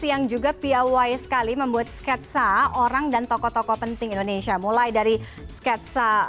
yang juga piawai sekali membuat sketsa orang dan tokoh tokoh penting indonesia mulai dari sketsa